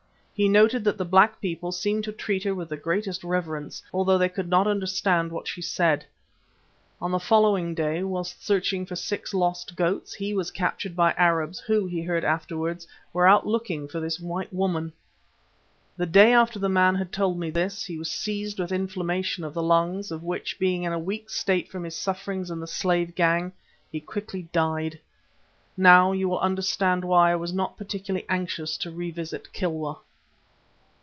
He noted that the black people seemed to treat her with the greatest reverence, although they could not understand what she said. On the following day, whilst searching for six lost goats, he was captured by Arabs who, he heard afterwards, were out looking for this white woman. The day after the man had told me this, he was seized with inflammation of the lungs, of which, being in a weak state from his sufferings in the slave gang, he quickly died. Now you will understand why I was not particularly anxious to revisit Kilwa."